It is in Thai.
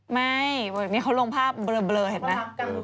ไม่วันนี้เขาลงภาพเบลอเห็นมั้ย